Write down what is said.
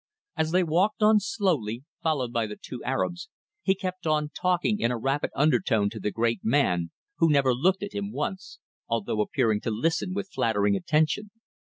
As they walked on slowly, followed by the two Arabs, he kept on talking in a rapid undertone to the great man, who never looked at him once, although appearing to listen with flattering attention.